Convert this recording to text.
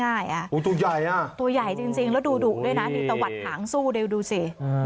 ไม่ยอมง่ายตัวใหญ่จริงแล้วดูดุดูดูสินี่ตะวัดหางสู้ดูสิ